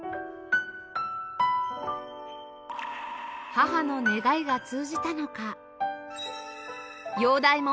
母の願いが通じたのか